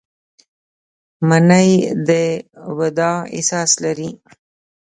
منی د وداع احساس لري